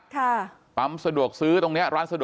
กลุ่มตัวเชียงใหม่